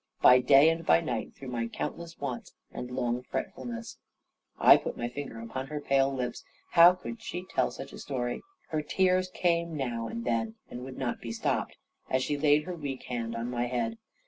By day, and by night, through my countless wants, and long fretfulness." I put my finger upon her pale lips. How could she tell such a story then? Her tears came now and then, and would not be stopped, as she laid her weak hand on my head.